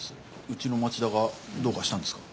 うちの町田がどうかしたんですか？